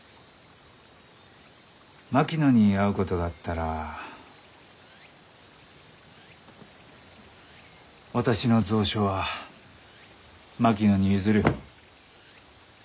槙野に会うことがあったら私の蔵書は槙野に譲る。